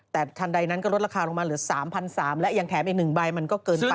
แต่คันใดนั้นก็ลดราคาลงมาเหลือ๓๓๐๐บาทและยังแถมอีก๑ใบมันก็เกินไป